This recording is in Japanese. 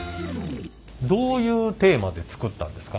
どういうテーマで作ったんですか？